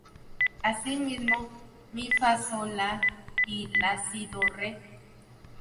Asimismo "mi-fa-sol-la y "la-si-do-re".